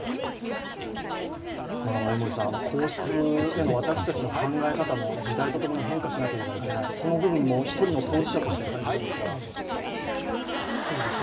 皇室への私たちの考え方も時代と共に変化しなければいけない、その部分も１人の当事者として感じるんですが。